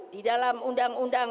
di dalam undang undang